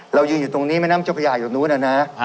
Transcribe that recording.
เรายืนอยู่ตรงนี้แม่น้ำเจ้าพระยาอยู่นู้นนะนะ